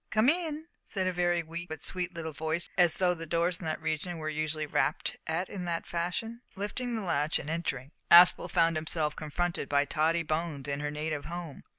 "Come in," said a very weak but sweet little voice, as though doors in that region were usually rapped at in that fashion. Lifting the latch and entering, Aspel found himself confronted by Tottie Bones in her native home.